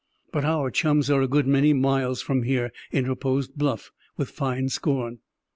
"But our chums are a good many miles from here," interposed Bluff, with fine scorn.